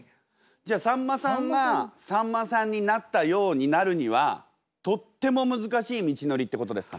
じゃあさんまさんがさんまさんになったようになるにはとっても難しい道のりってことですか？